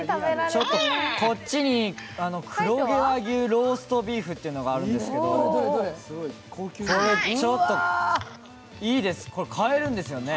こっちに黒毛和牛ローストビーフっていうのがあるんですけど、これ買えるんですよね。